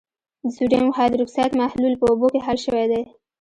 د سوډیم هایدروکسایډ محلول په اوبو کې حل شوی دی.